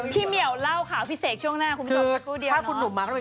พี่เหมียวเค้าเล่าข่อพี่เสกช่วงหน้าคุณผู้ชม